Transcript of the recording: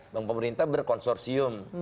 bangun pemerintah berkonsorsium